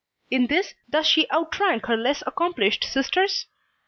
In this, does she outrank her less accomplished sisters?